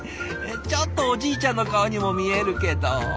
ちょっとおじいちゃんの顔にも見えるけど。